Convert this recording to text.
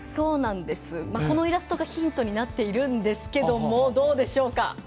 このイラストがヒントになっているんですがどうでしょうか？